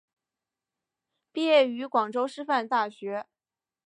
毕业于广州师范大学。